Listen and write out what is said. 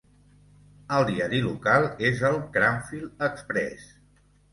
El diari local és el "Cranfield Express".